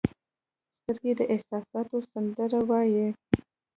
سترګې د احساسات سندره وایي